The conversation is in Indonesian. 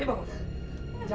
kenapa awak membalik minuman congo